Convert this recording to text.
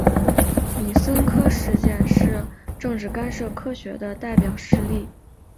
李森科事件是政治干涉科学的代表事例。